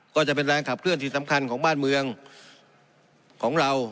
ก็จะเป็นแรงขับเคลื่อนที่สำคัญของบ้านเมืองของเรา